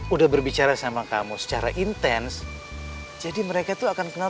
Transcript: udah berbicara sama kamu secara intens jadi mereka tuh akan kenal